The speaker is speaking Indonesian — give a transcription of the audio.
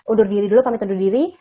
undur diri dulu pamit undur diri